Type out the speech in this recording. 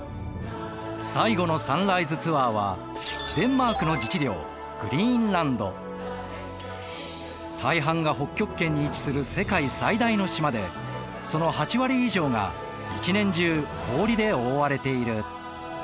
最後のサンライズツアーはデンマークの自治領大半が北極圏に位置する世界最大の島でその８割以上が一年中氷で覆われている。